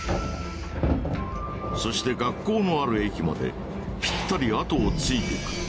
そして学校のある駅までピッタリあとをついてくる。